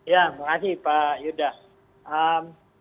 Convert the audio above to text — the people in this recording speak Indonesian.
ya terima kasih pak yuda